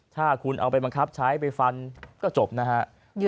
ถ้าคุณเอาไปบังคับใช้ไปฟันก็จบนะฮะ